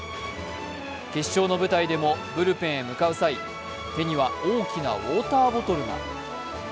決勝の舞台でもブルペンへ向かう際、手には大きなウォーターボトルが。